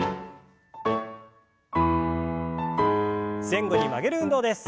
前後に曲げる運動です。